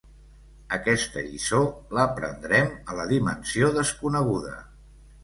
Aquesta lliçó l'aprendrem a la Dimensió desconeguda.